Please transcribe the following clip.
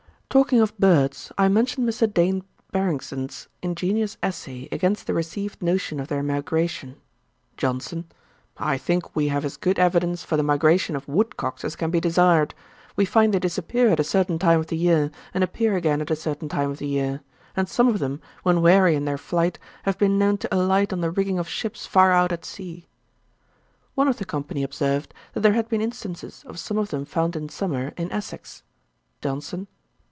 Talking of birds, I mentioned Mr. Daines Barrington's ingenious Essay against the received notion of their migration. JOHNSON. 'I think we have as good evidence for the migration of woodcocks as can be desired. We find they disappear at a certain time of the year, and appear again at a certain time of the year; and some of them, when weary in their flight, have been known to alight on the rigging of ships far out at sea.' One of the company observed, that there had been instances of some of them found in summer in Essex. JOHNSON.